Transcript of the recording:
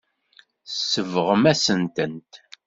Tsebɣem-asen-tent.